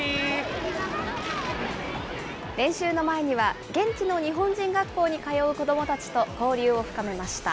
練習の前には、現地の日本人学校に通う子どもたちと交流を深めました。